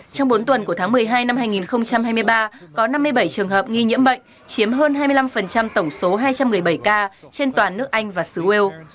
trong bốn tuần của tháng một mươi hai năm hai nghìn hai mươi ba có năm mươi bảy trường hợp nghi nhiễm bệnh chiếm hơn hai mươi năm tổng số hai trăm một mươi bảy ca trên toàn nước anh và sứa